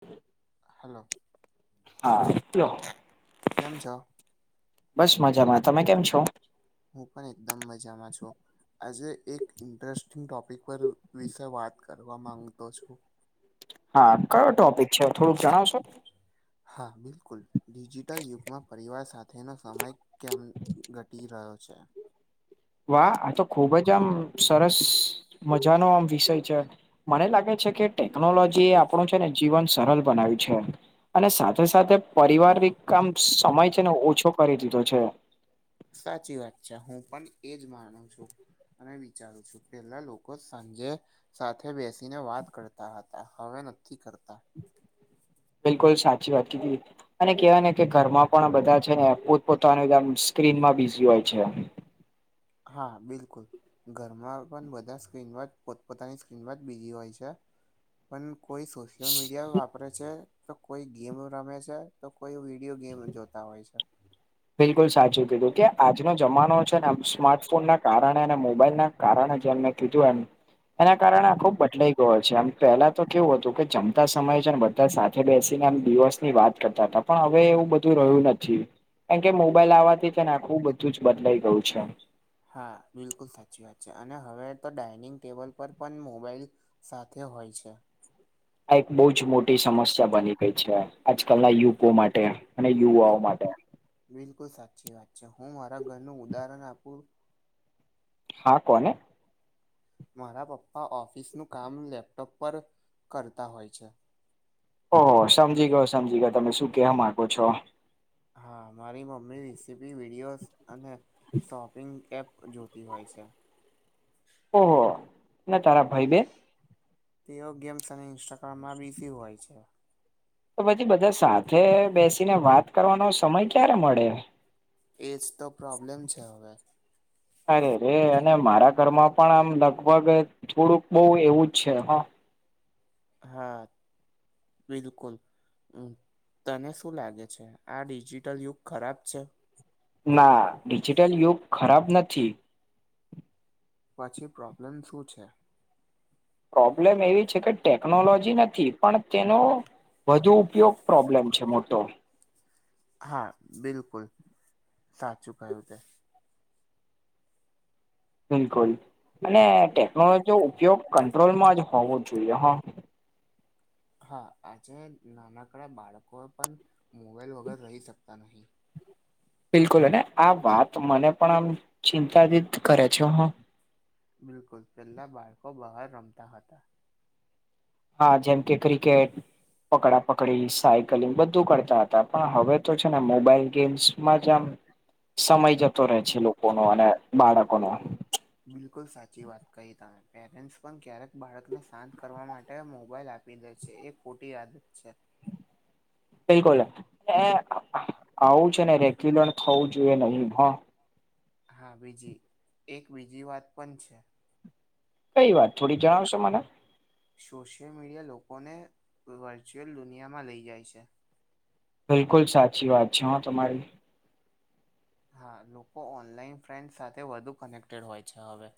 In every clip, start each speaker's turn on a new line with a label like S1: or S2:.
S1: હ [inaudible]
S2: હાલો.
S1: હા કયો?
S2: કેમ છો?
S1: બસ મજામાં, તમે કેમ છો?
S2: હું પણ એકદમ મજામાં છું. આજે એક ઇન્ટરેસ્ટિંગ ટોપિક પર વિશે વાત કરવા માંગતો છું.
S1: હા કયો ટોપિક છે થોડુંક જણાવશો?
S2: હા બિલકુલ, ડિજિટલ યુગમાં પરિવાર સાથેનો સમય કેમ ઘટી રહ્યો છે?
S1: વાહ આ તો ખુબ જ આમ સરસ મજાનો આમ વિષય છે. મને લાગે છે કે ટેકનોલોજી એ આપણું છે ને જીવન સરળ બનાય્યું છે. અને સાથે સાથે પરિવાર કામ સમય છે ને ઓછો કરી દીધો છે.
S2: સાચી વાત છે, હું પણ એજ માનું છું. અને વિચારું છું પેલા લોકો સાંજે સાથે બેસીને વાત કરતા હતા, હવે નથી કરતા.
S1: કોઈ કોઈ સાચી વાતી કીધી. અને કહેવાય ને કે ઘરમાં પણ બધા છે ને પોતપોતાનું આમ સ્ક્રીનમાં બીઝી હોય છે.
S2: હા બિલકુલ. ઘરમાં પણ બધા સ્ક્રીન પોતપોતાની સ્ક્રીન જ બીજી હોય છે. પણ કોઈ સોશિયલ મીડિયા વાપરે છે, તો કોઈ ગેમ રમે છે, તો કોઈ વિડીયો ગેમ જોતા હોય છે.
S1: બિલકુલ સાચું કીધું કે આજનો જમાનો છે ને સ્માર્ટફોન ના કારણે અને મોબાઈલ ના કારણ જ એમને કીધું એમ એના કારણે આ ખુબ બદલાઈ ગયો છે એમ પહેલા તો કેવું હતું કે જમતા સમય છે ને બ સાથે બેસીને દિવસ ની વાત કરતા હતા પણ હવે એવું બધું રહ્યું નથી. કારણ કે મોબાઈલ આવવાથી છેને આખું બધું જ બદલાઈ ગયું છે.
S2: હા બિલકુલ સાચી વાત છે અને હવે તો ડાઇનિંગ ટેબલ પર પણ મોબાઈલ સાથે હોય છે.
S1: આ એક બહુ જ મોટી સમસ્યા બની ગઈ છે, આજકાલના યુકો માટે. અને
S2: બિલ
S1: યુવાઓ માટે.
S2: બિલકુલ સાચી વાત છે હું મારા ઘરનું ઉદાહરણ આપું
S1: હા કોને
S2: મારા પપ્પા ઓફિસનું કામ લેપટોપ પર કરતા હોય છે.
S1: ઓહ સમજી ગયો, સમજી ગયો તમે શું કવા માંગો છો.
S2: હા મારી મમ્મી રેસીપી, વિડીયોસ અને શોપિંગ એપ જોતી હોય છે.
S1: ઓહો, ને તારા ભયબેન?
S2: તેઓ ગેમ્સ સાયન્સ ઇન્સ્ટાગ્રામમાં બીઝી હોય છે.
S1: તો પછી બધા સાથે બેસીને વાત કરવાનો સમય ક્યારે મળે?
S2: એજ તો પ્રોબ્લેમ છે હવે.
S1: અરે રે અને મારા ઘરમાં પણ આમ લગભગ થોડુંક બો એવું જ છે હા.
S2: હા બિલકુલ. હમમ તને શું લાગે છે આ ડિજિટલ યુગ ખરાબ છે?
S1: ના ડિજિટલ યુગ ખરાબ નથી.
S2: પછી પ્રોબ્લેમ શું છે?
S1: પ્રોબ્લેમ એ છે કે ટેકનોલોજી નથી પણ તેનો વધુ ઉપયોગ પ્રોબ્લેમ છે મોટો.
S2: હા બિલકુલ સાચું કહ્યું તે.
S1: બિલકુલ અને ટેકનોલોજીનો ઉપયોગ કંટ્રોલમાં જ હોવો જોઈએ હા.
S2: હા આજે નાનકડા બાળકો પણ મોબાઈલ વગર રહી શકતા નહી.
S1: બિલકુલ અને આ વાત મને પણ આમ ચિંતાજીત કરે છે હા.
S2: બિલકુલ પેલ્લા બાળકો બહાર રમતા હતા.
S1: હા જેમ કે ક્રિકેટ પકડા પકડી, સાયકલિંગ બધું કરતા હતા પણ હવે તો છે ને મોબાઈલ ગેમ્સમાં જ આમ
S2: [unintelligible]
S1: સમય જતો રહે છે લોકોનો અને બાળકોનો.
S2: બિલકુલ સાચી વાત કહી તમે પેરેન્ટ્સ પણ ક્યારેક બાળકને શાંત કરવા માટે મોબાઈલ આપ આપી દે છે એ ખોટી આદત છે.
S1: બિલકુલ અ આવું છે ને રેગ્યુલર થવું જોઈએ નહી હા.
S2: હા બીજી એક બીજી વાત પણ છે.
S1: કઈ વાત થોડી જણાવશો મને?
S2: સોશિયલ મીડિયા લોકોને વર્ચ્યુઅલ દુનિયામાં લઈ જાય છે.
S1: બિલકુલ સાચી વાત છે હા તમારી.
S2: હા લોકો ઓનલાઈન ફ્રેન્ડ સાથે વધુ કનેક્ટેડ હોય છે હવે.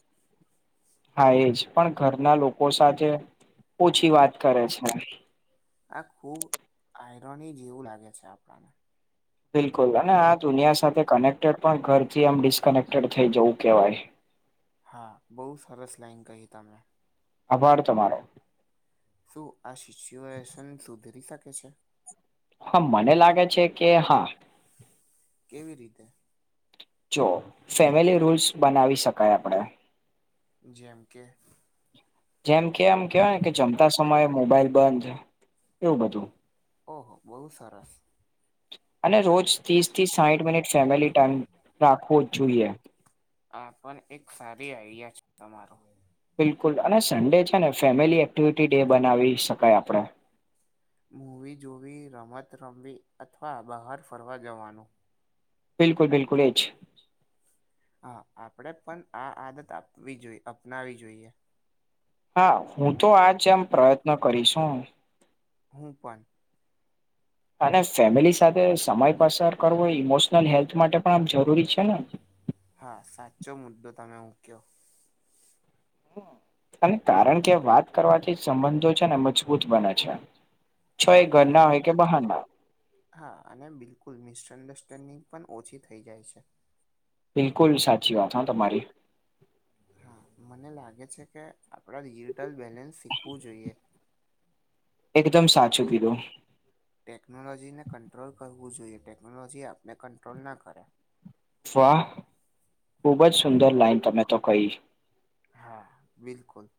S1: હા એજ પણ ઘરના લોકો સાથે ઓછી વાત કરે છે.
S2: આખુ આયરોનિક જેવું લાગે છે આપણાને
S1: બિલકુલ અને આ દુનિયા સાથે કનેક્ટેડ પણ ઘરથી આમ ડિસ્કનેક્ટેડ થઇ જવું કહેવાય.
S2: હા બો સરસ લાઈન કહી તમે.
S1: આભાર તમારો.
S2: શું આ સિચ્યુએશન સુધરી શકે છે?
S1: હા મને લાગે છે કે હા.
S2: કેવી રીતે?
S1: જો ફેમિલી રૂલ્સ બનાવી શકાય આપણે
S2: જેમ કે
S1: જેમ કે આમ કહેવાય ને કે જમતા સમયે મોબાઈલ બંધ એવું બધું.
S2: ઓહો બો સરસ.
S1: અને રોજ ત્રીસ થી સાહીઠ મિનિટ ફેમિલી ટાઈમ રાખવો જ જોઈએ.
S2: આ પણ એક સારી આઈડિયા છે તમારું.
S1: બિલકુલ અને સન્ડે છે ને ફેમિલી એક્ટિવિટી ડે બનાવી શકાય આપણે.
S2: મૂવી જોવી, રમત રમવી અથવા બહાર ફરવા જવાનું.
S1: બિલકુલ બિલકુલ એ જ.
S2: હા આપડે પણ આ આદત આપવી જોઈએ અપનાવી જોઈએ.
S1: હા. હું તો આ જેમ પ્રયત્ન કરીશું.
S2: હું પન.
S1: અને ફેમિલી સાથે સમય પસાર કરવો ઈમોશનલ હેલ્થ માટે પણ આમ જરૂરી છે ને.
S2: હા સાચો મુદ્દો તમે મૂક્યો.
S1: અને કારણ કે વાત કરવાથી સંબંધો છે ને મજબૂત બને છે. છો
S2: હા.
S1: એ
S2: અને
S1: ઘરના હોય કે બહારના
S2: હા. અને બિલકુલ મિસઅન્ડરસ્ટેન્ડિંગ પણ ઓછી થઈ જાય છે.
S1: બિલકુલ સાચી વાત હ તમારી.
S2: હા. મને લાગે છે કે આપણે રિયટલ બેલેન્સ શીખવું જોઈએ.
S1: એકદમ સાચું કીધું.
S2: ટેકનોલોજી ને કંટ્રોલ કરવું જોઈએ. ટેકનોલોજી આપને કંટ્રોલ ના કરે.
S1: વાહ! ખુબ જ સુંદર લાઈન તમે તો કહી.
S2: હા બિલકુલ.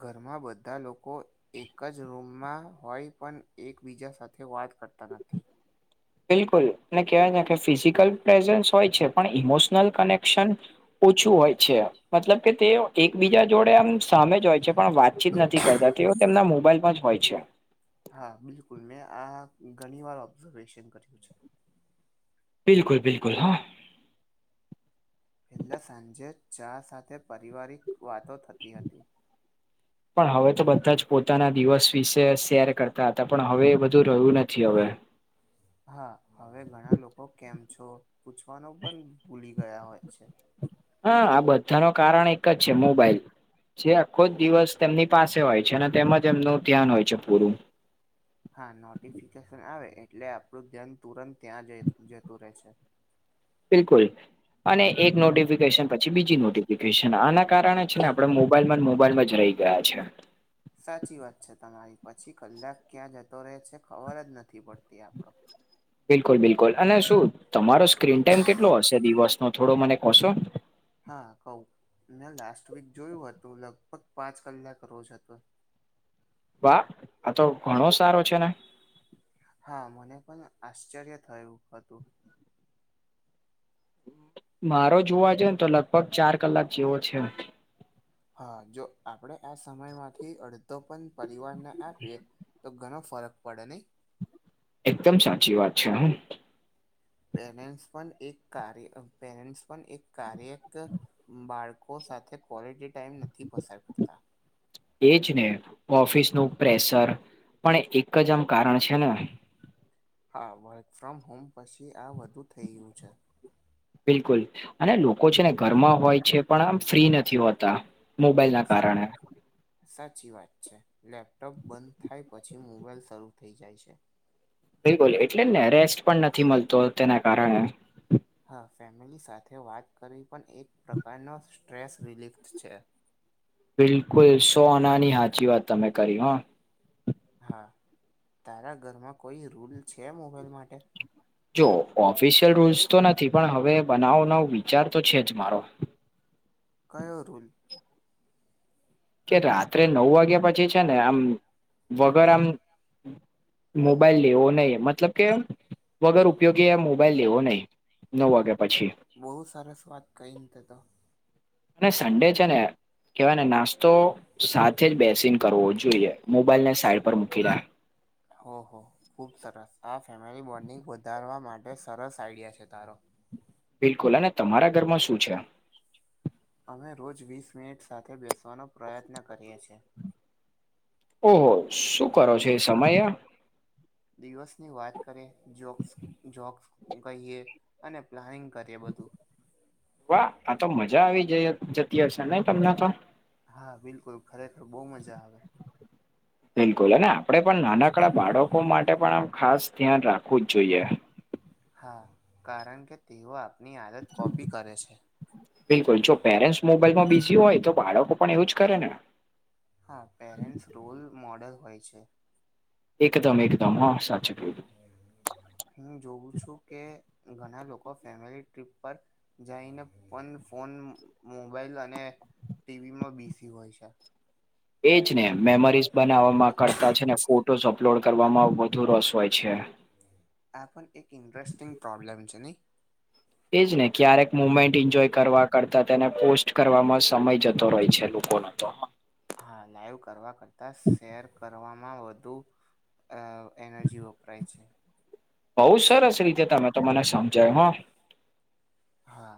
S2: ઘરમાં બધા લોકો એક જ રૂમમાં હોય પણ એકબીજા સાથે વાત કરતા નથી.
S1: બિલકુલ. અને કહેવાય ને કે ફિઝિકલ પ્રેઝટન્સ હોય છે પણ ઈમોશનલ કનેક્શન ઓછું હોય છે. મતલબ કે તે એકબીજા જોડે આમ સામે જ હોય છે પણ વાતચીત નથી કરતા, તેઓ તેમના મોબાઈલમાં જ હોય છે.
S2: હા બિલકુલ. મેં આ ઘણી વાર ઓબ્ઝર્વેશન કર્યું છે.
S1: બિલકુલ-બિલકુલ હા.
S2: પહેલાં સાંજે ચા સાથે પારિવારિક વાતો થતી હતી.
S1: પણ હવે તો બધા જ પોતાના દિવસ વિશે શેર કરતા હતા, પણ હવે એ બધું રહ્યું નથી હવે.
S2: હા. હવે ઘણા લોકો કેમ છો? પૂછવાનું પન ભૂલી ગયા હોય છે.
S1: હા. આ બધા નો કારણ એક જ છે મોબાઈલ. જે આખો જ દિવસ તેમની પાસે હોય છે, અને તેમાં જ એમનું ધ્યાન હોય છે પૂરું.
S2: હા. નોટિફિકેશન આવે એટલે આપણું ધ્યાન તુરંત ત્યાં જ જતું રહે છે.
S1: બિલકુલ. અને એક નોટિફિકેશન પછી બીજી નોટિફિકેશન. આના કારણે છે ને આપણે મોબ બાઈલ માંન મોબાઈલમાં જ રહી ગયા છે.
S2: સાચી વાત છે તમારી. પછી કલાક ક્યાં જતો રહે છે ખબર જ નથી પડતી આપણો.
S1: બિલકુલ-બિલકુલ. અને શું તમારો સ્ક્રીન ટાઈમ કેટલો હશે દિવસનો? થોડો મને કહશો?
S2: હા કહું. મેં લાસ્ટ વીક જોયું હતું, લગભગ પાંચ કલાક રોજ હતો.
S1: વાહ! આ તો ઘણો સારો છે ને.
S2: હા. મને પણ આશ્ચર્ય થયું હતું.
S1: મારો જોવા જાન તો લગભગ ચાર કલાક જેવો છે.
S2: હા. જો આપણે આ સમયમાંથી અડધો પણ પરિવારને આપીએ તો ઘણ ફરક પડે નહીં?
S1: એકદમ સાચી વાત છે હ.
S2: પેરેન્ટ્સ પણ એક કાર્ય, પેરેન્ટ્સ પણ એક કાર્યક બાળકો સાથે ક્વોલિટી ટાઈમ નથી પસાર કરતા
S1: એજ ને. ઓફિસ નું પ્રેશર પણ એક જ આમ કારણ છે ને.
S2: હા. વર્ક ફ્રોમ હોમ પછી આ વધુ થઈ ગયું છે.
S1: બિલકુલ. અને લોકો છે ને ઘરમાં હોય છે, પણ આમ ફ્રી નથી હોતા. મોબાઈલ ના કારણે.
S2: સાચી વાત છે. લેપટોપ બંધ થાય પછી મોબાઈલ શરૂ થઈ જાય છે.
S1: બિલકુલ એટલે જ ને રેસ્ટ પણ નથી મળતો તેના કારણે.
S2: હા. ફેમિલી સાથે વાત કરવી પણ એક પ્રકારનો સ્ટ્રેસ રિલીફ છે.
S1: બિલકુલ સો આના ની હાચી વાત તમે કહિ હા.
S2: હા તારા ઘરમાં કોઈ રૂલ છે મોબાઈલ માટે?
S1: જો ઓફિશિયલ રૂલ્સ તો નથી પણ હવે બનાવવાનો વિચાર તો છે જ મારો.
S2: કયો રુલ?
S1: કે રાત્રે નવ વાગ્યા પછી છે ને આમ વગર આમ મોબાઈલ લેવો નહીં મતલબ કે વગર ઉપયોગી એ મોબાઈલ લેવો નહીં. નવ વાગ્યા પછી
S2: બો સરસ વાત કહીને તે તો.
S1: અને સન્ડે છે ને કેહવાય ને નાસ્તો સાથે જ બેસીને કરવો જોઈએ મોબાઈલ ને સાઈડ પર મૂકી રા
S2: હો હો ખૂબ સરસ આ ફેમિલી બોન્ડિંગ વધારવા માટે સરસ આઈડિયા છે તારો.
S1: બિલકુલ અને તમારા ઘરમાં શું છે?
S2: અમે રોજ વીસ મિનિટ સાથે બેસવાનો પ્રયત્ન કરીએ છીએ.
S1: ઓહો શું કરો છો એ સમયે?
S2: દિવસની વાત કરે જોક્સ જોક્સ કહીએ. અને પ્લાનિંગ કરીએ બધું.
S1: વાહ આ તો મજા આવી જ જતી હશે ને તમને તો
S2: હા બિલકુલ ખરેખર બો મજા આવે.
S1: બિલકુલ અને આપડે પણ નાનકડા બાળકો માટે પણ આમ ખાસ ધ્યાન રાખવું જ જોઈએ.
S2: હા કારણ કે તેઓ આપની આદત કોપી કરે છે.
S1: બિલકુલ જો પેરેન્ટ્સ મોબાઈલમાં બીઝી હોય તો બાળકો પણ એવું જ કરે ને.
S2: હા પેરેન્ટ્સ રોલ મોડલ હોય છે.
S1: એકદમ એકદમ હા સાચુ કહ્યું.
S2: હું જોઉ છું કે ઘણા લોકો ફેમિલી ટ્રીપ પર જઈને પણ ફોન, મોબાઈલ અને ટીવીમાં બીઝી હોય છે.
S1: એજ ને મેમરીઝ બનાવવામાં કરતા છે ને ફોટ ફોટોઝ અપલોડ કરવામાં વધુ રસ હોય છે.
S2: આ પણ એક ઇન્ટરેસ્ટિંગ પ્રોબ્લેમ છે નઈ.
S1: એજ ને ક્યારેક મુમેન્ટ એન્જોય કરવા કરતાં તેને પોસ્ટ કરવામાં સમય જતો રહેય છે લોક કોના તો?
S2: હા લાઈવ કરવા કરતાં શેર કરવામાં વધુ અ એનર્જી વપરાય છે.
S1: બઉ સરસ રીતે તમે તો મને સમજાવયુ હા.
S2: હા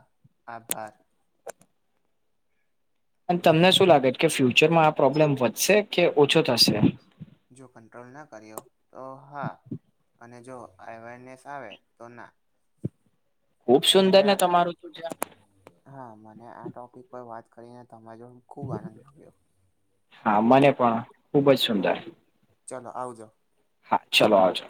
S2: આભાર.
S1: અને તમને શું લાગે કે ફ્યુચરમાં આ પ્રોબ્લેમ વધશે કે ઓછો થશે?
S2: જો કંટ્રોલ ના કર્યો તો હા અને જો અવેરનેસ આવે તો ના.
S1: ખુબ સુંદર
S2: મને
S1: ને તમારું તો જ્યાં
S2: હા મને આ ટોપિક પર વાત કરીને તમારી જોડે ખૂબ આનંદ આવ્યો.
S1: હા મને પણ ખુબ જ
S2: હા
S1: સુંદર.
S2: ચલો આવજો.
S1: હા ચલો આવજો.